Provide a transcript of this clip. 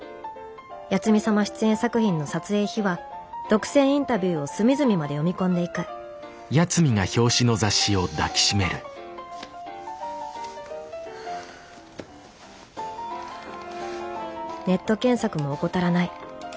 八海サマ出演作品の撮影秘話独占インタビューを隅々まで読み込んでいくネット検索も怠らない。